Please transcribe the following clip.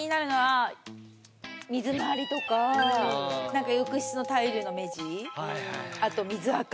水回りとかなんか浴室のタイルの目地あと水あか。